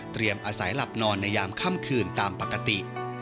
อาศัยหลับนอนในยามค่ำคืนตามปกติ